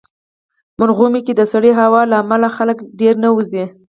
مرغومی کې د سړې هوا له امله خلک ډېر نه وځي.